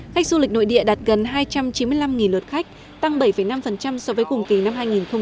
khách du lịch nội địa đạt gần hai trăm chín mươi năm lượt khách tăng bảy năm so với cùng kỳ năm hai nghìn một mươi tám